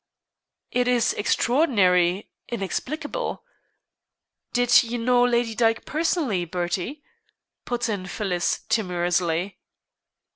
"It is extraordinary inexplicable!" "Did you know Lady Dyke personally, Bertie?" put in Phyllis timorously.